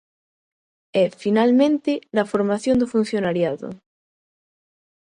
E, finalmente, na formación do funcionariado.